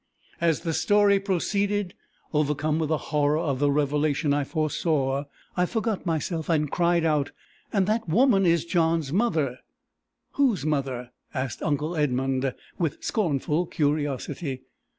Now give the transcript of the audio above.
As the story proceeded, overcome with the horror of the revelation I foresaw, I forgot myself, and cried out "And that woman is John's mother!" "Whose mother?" asked uncle Edmund, with scornful curiosity.